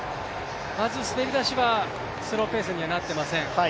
まず滑り出しはスローペースにはなってません。